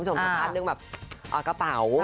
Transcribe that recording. สัมภาษณ์แบบกระเป๋า